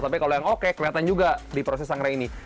tapi kalau yang oke kelihatan juga di proses sangrai ini